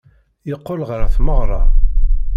Yeqqel ɣer tmeɣra.